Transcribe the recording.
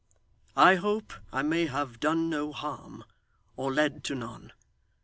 I hope I may have done no harm, or led to none.